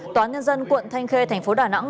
tòa nhân dân quận thanh khê thành phố đà nẵng